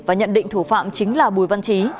và nhận định thủ phạm chính là bùi văn trí